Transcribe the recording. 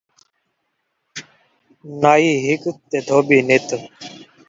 اکھیں کجلا تے سوہرے دی سو